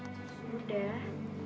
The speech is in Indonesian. tapi ya seadanya pak